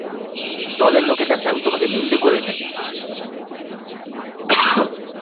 দলের লোকের কাছে আমি তোমাকে নিন্দে করে থাকি।